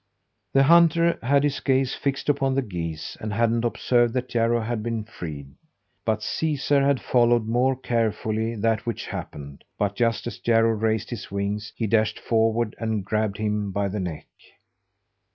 The hunter had had his gaze fixed upon the geese, and hadn't observed that Jarro had been freed; but Caesar had followed more carefully that which happened; and just as Jarro raised his wings, he dashed forward and grabbed him by the neck.